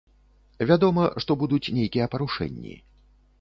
Вядома, што будуць нейкія парушэнні.